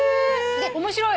面白い！